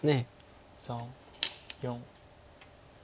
３４。